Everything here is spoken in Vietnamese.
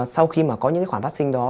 sau khi mà có những cái khoản phát sinh đó